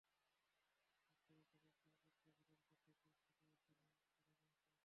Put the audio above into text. একসময় কিশোরটি ছুটন্ত ঘোড়ার পিঠ থেকে একটি কবরস্থানে পড়ে গিয়ে জ্ঞান হারায়।